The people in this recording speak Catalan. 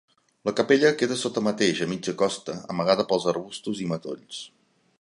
La capella queda sota mateix, a mitja costa, amagada pels arbustos i matolls.